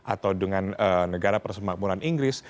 atau dengan negara persemakmuran inggris